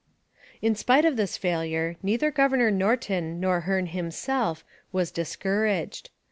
In spite of this failure, neither Governor Norton nor Hearne himself was discouraged.